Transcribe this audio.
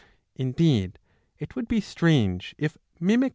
Indeed, it would be strange if mimic 645 a.